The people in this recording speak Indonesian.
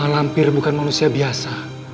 malampir bukan manusia biasa